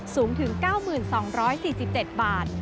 สูงถึง๙๒๔๗บาท